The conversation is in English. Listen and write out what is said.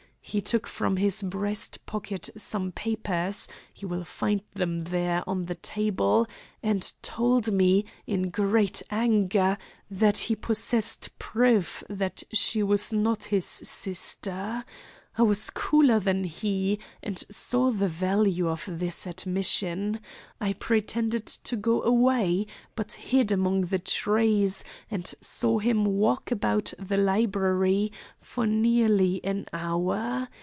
He took from his breast pocket some papers you will find them there, on the table and told me, in great anger, that he possessed proof that she was not his sister. I was cooler than he, and saw the value of this admission. I pretended to go away, but hid among the trees and saw him walk about the library for nearly an hour.